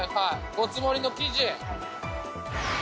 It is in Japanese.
ごつ盛りの生地。